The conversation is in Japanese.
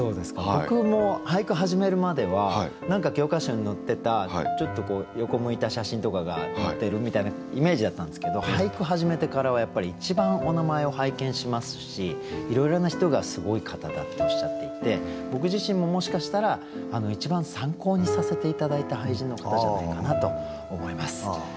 僕も俳句始めるまでは何か教科書に載ってたちょっと横向いた写真とかが載ってるみたいなイメージだったんですけど俳句始めてからはやっぱり一番お名前を拝見しますしいろいろな人がすごい方だっておっしゃっていて僕自身ももしかしたら一番参考にさせて頂いた俳人の方じゃないかなと思います。